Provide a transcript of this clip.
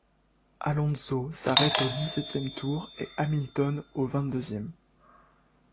Alonso s'arrête au dix-septième tour et Hamilton au vingt-deuxième.